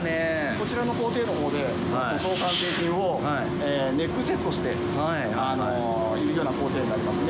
こちらの工程のほうで塗装完成品をネックセットしているような工程になりますね。